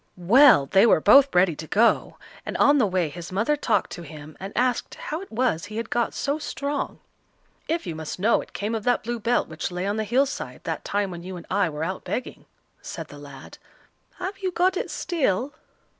Well! they were both ready to go, and on the way his mother talked to him, and asked how it was he had got so strong. "If you must know it came of that blue belt which lay on the hill side that time when you and I were out begging," said the lad. "Have you got it still?"